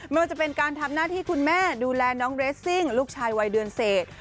ไม่ว่าจะเป็นการทำหน้าที่คุณแม่ดูแลน้องเรสซิ่งลูกชายวัยเดือนเศษ